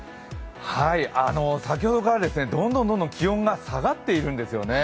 先ほどからどんどんどんどん気温が下がっているんですよね。